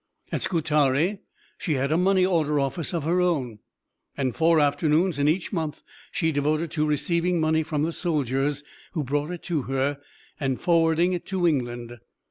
At Scutari she had a money order office of her own, and four afternoons in each month she devoted to receiving money from the soldiers who brought it to her, and forwarding it to England.